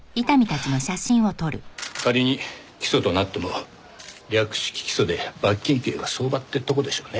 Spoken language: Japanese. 仮に起訴となっても略式起訴で罰金刑が相場ってとこでしょうね。